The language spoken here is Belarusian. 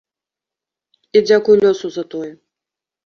І дзякуй лёсу за тое.